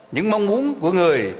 những mong muốn của người